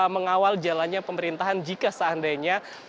mengawal jalannya pemerintahan jika seandainya